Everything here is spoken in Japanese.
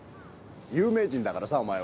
有名人だからさお前は。